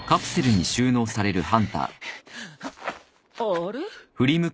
あれ？